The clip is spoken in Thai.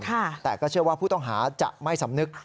แต่ก็เชื่อว่าผู้ต้องหาจะไม่สำนึก